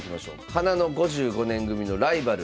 花の５５年組のライバル